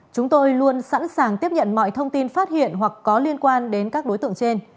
chúng tôi luôn sẵn sàng tiếp nhận mọi thông tin phát hiện hoặc có liên quan đến các đối tượng trên